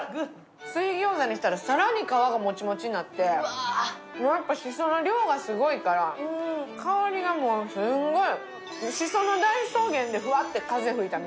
水餃子にしたら、更に皮がもちもちになって、しその量がすごいから、香りがすんごい。